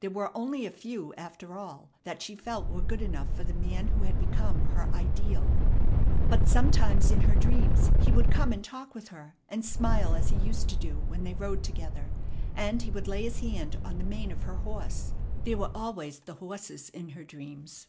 There were only a few, after all, that she felt were good enough for the man who had become her ideal. But sometimes in her dreams he would come and talk with her, and smile as he used to do when they rode together; and he would lay his hand on the mane of her horse there were always the horses in her dreams.